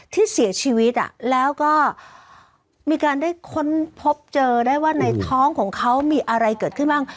ที่เสียชีวิตแล้วก็มีการได้ค้นพบเจอได้ว่าในท้องของเขามีอะไรเกิดขึ้นบ้าง